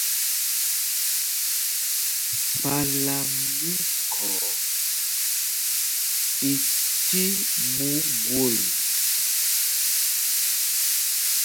Kpālā mí Khɔɔ í tí ɓuu gwol.